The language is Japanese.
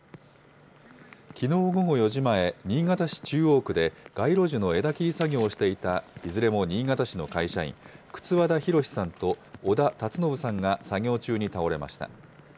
きのう午後４時前、新潟市中央区で、街路樹の枝切り作業をしていたいずれも新潟市の会社員、轡田浩さんと小田辰信さんが作業中に倒れました。